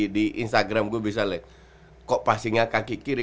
di instagram gue bisa lihat kok passingnya kaki kiri